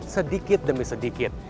sedikit demi sedikit